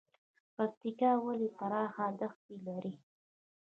پکتیکا ولې پراخه دښتې لري؟